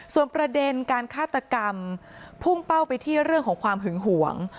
ส่วนประเด็นการฆาตกรรมพุ่งเป้าไปที่เรื่องของความหึงหวง